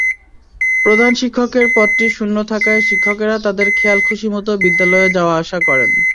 প্রধান শিক্ষকের পদটি শূন্য থাকায় শিক্ষকেরা তাঁদের খেয়ালখুশিমতো বিদ্যালয়ে যাওয়া-আসা করেন।